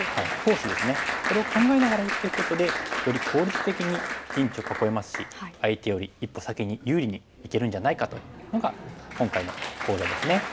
これを考えながら打っていくことでより効率的に陣地を囲えますし相手より一歩先に有利にいけるんじゃないかというのが今回の講座ですね。